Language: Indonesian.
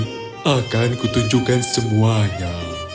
aku akan menunjukkan semuanya